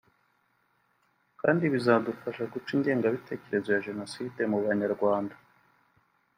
kandi bizadufasha guca ingengabitekerezo ya Jenoside mu Banyarwanda